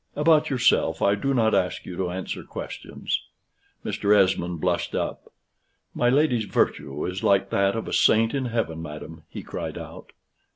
About yourself, I do not ask you to answer questions." Mr. Esmond blushed up. "My lady's virtue is like that of a saint in heaven, madam," he cried out.